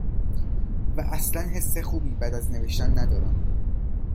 و اصلا حس خوبی بعد از نوشتن ندارم.